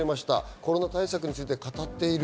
コロナ対策について語っている。